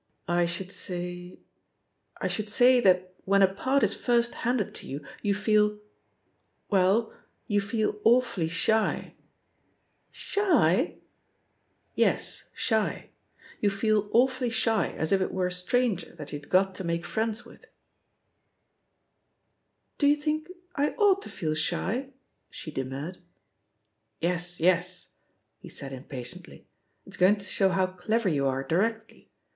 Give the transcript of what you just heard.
I should say — I should say that when a part is first handed to you, you feel ••• well, you feel awfully shy " €1 Shy? v 288 THE POSITION OP PEGGY HARPEB "Yes, *shy/ You feel awfully shy, as if it were a stranger that you'd got to make friends with." 'Do you think I ought to feel 'shfV she d^nurred. "Yes, yes," he said impatiently; *'it*s going to show how clever you are directly.